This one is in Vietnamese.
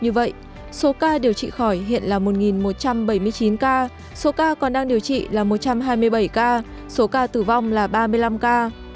như vậy số ca điều trị khỏi hiện là một một trăm bảy mươi chín ca số ca còn đang điều trị là một trăm hai mươi bảy ca số ca tử vong là ba mươi năm ca